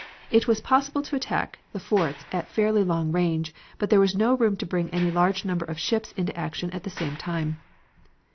It was possible to attack the forts at fairly long range, but there was no room to bring any large number of ships into action at the same time.